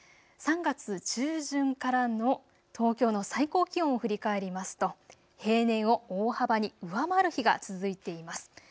３月中旬からの東京の最高気温を振り返りますと平年を大幅に上回る日が続いています。